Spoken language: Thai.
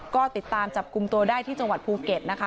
ก็ติดตามจับกลุ่มตัวได้ที่จังหวัดภูเก็ตนะคะ